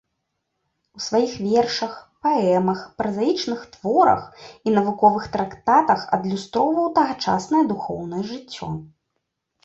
У сваіх вершах, паэмах, празаічных творах і навуковых трактатах адлюстраваў тагачаснае духоўнае жыццё.